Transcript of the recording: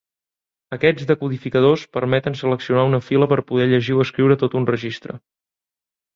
Aquests descodificadors permeten seleccionar una fila per poder llegir o escriure tot un registre.